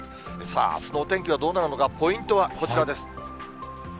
さあ、あすのお天気はどうなるのか、ポイントはこちらです。